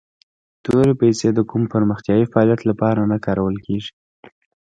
تورې پیسي د کوم پرمختیایي فعالیت لپاره نه کارول کیږي.